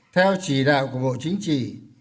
theo chỉ đạo của bộ chính trị